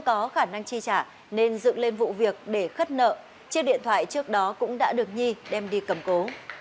chiếc điện thoại trước đó cũng đã được nhi đem đi cầm cố